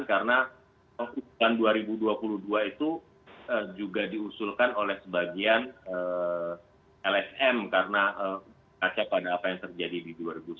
karena usulan dua ribu dua puluh dua itu juga diusulkan oleh sebagian lsm karena kaca pada apa yang terjadi di dua ribu sembilan belas